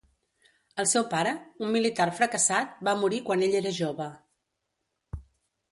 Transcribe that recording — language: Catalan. El seu pare, un militar fracassat, va morir quan ell era jove.